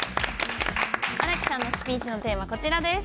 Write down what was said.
荒木さんのスピーチのテーマこちらです。